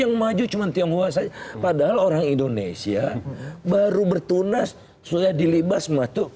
yang maju cuman tionghoa saya padahal orang indonesia baru bertunas sudah dilibas matuk